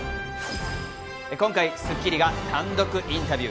今回『スッキリ』が単独インタビュー。